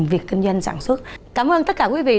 việc kinh doanh sản xuất cảm ơn tất cả quý vị